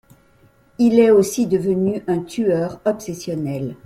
Il est aussi devenu un tueur obsessionnel.